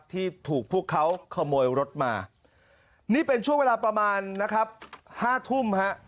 ที่ถูกพวกเขาขโมยรถมานี่เป็นช่วงเวลาประมาณนะครับห้าทุ่มฮะ